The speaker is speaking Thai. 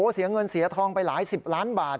เสียเงินเสียทองไปหลายสิบล้านบาท